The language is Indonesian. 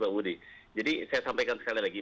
pak budi jadi saya sampaikan sekali lagi